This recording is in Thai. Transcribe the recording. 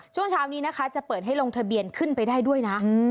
ช่วงเช้านี้นะคะจะเปิดให้ลงทะเบียนขึ้นไปได้ด้วยนะ